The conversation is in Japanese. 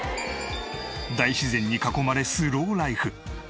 大自然に囲まれスローライフ。